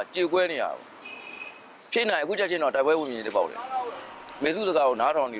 สหภัณฑ์ประชาชภาพธรรมัน